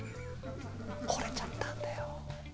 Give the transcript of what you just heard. ほれちゃったんだよ。